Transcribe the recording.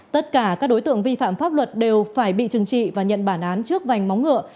tất cả các đối tượng vi phạm pháp luật đều phải bị trừng trị và nhận bản án trước vành móng ngựa